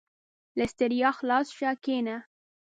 • له ستړیا خلاص شه، کښېنه.